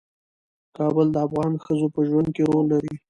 کابل د افغان ښځو په ژوند کې رول لري.